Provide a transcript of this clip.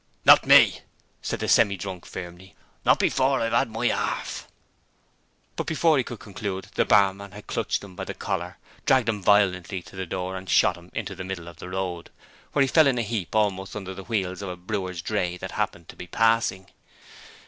'Not me!' said the Semi drunk firmly. 'Not before I've 'ad my 'arf ' But before he could conclude, the barman had clutched him by the collar, dragged him violently to the door and shot him into the middle of the road, where he fell in a heap almost under the wheels of a brewer's dray that happened to be passing.